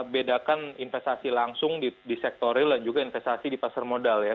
bedakan investasi langsung di sektor real dan juga investasi di pasar modal ya